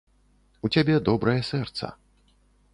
У цябе добрае сэрца.